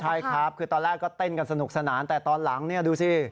ใช่ครับคือตอนแรกก็เต้นกันสนุกสนานแต่ตอนหลังเนี่ยดูสิ